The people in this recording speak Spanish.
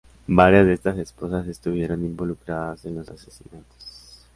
Varias de estas esposas estuvieron involucradas en los asesinatos.